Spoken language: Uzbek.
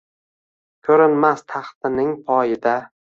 Ko’rinmas taxtining poyida